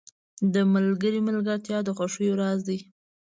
• د ملګري ملګرتیا د خوښیو راز دی.